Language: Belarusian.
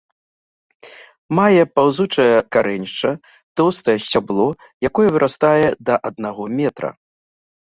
Мае паўзучае карэнішча, тоўстае сцябло, якое вырастае да аднаго метра.